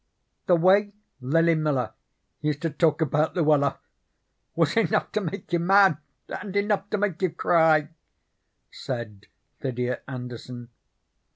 "The way Lily Miller used to talk about Luella was enough to make you mad and enough to make you cry," said Lydia Anderson.